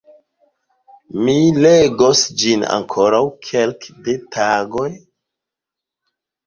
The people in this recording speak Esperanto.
Mi legos ĝin ankoraŭ kelke da tagoj.